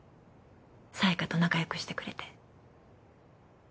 沙耶香と仲良くしてくれて。